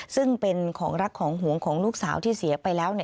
ซึ่งเป็นของรักของหวงของลูกสาวที่เสียไปแล้ว